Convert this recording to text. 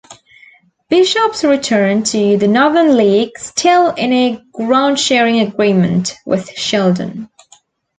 Bishops returned to the Northern League still in a groundsharing agreement with Shildon.